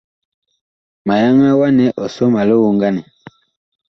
Ma yaŋaa wa nɛ ɔ sɔ ma lioŋganɛ.